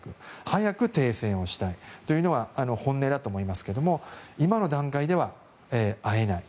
早く停戦をしたいというのは本音だと思いますが今の段階では会えない。